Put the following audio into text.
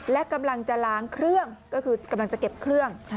และกำลังจะล้างเครื่องก็คือกำลังจะเก็บเครื่อง